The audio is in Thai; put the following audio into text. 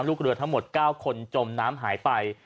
ลูกเรือทั้งหมด๙คนจมน้ำหายไป